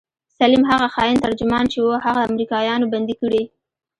سليم هغه خاين ترجمان چې و هغه امريکايانو بندي کړى.